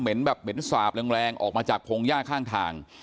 เหม็นแบบเหม็นสาบแรงออกมาจากโพงย่าข้างทาง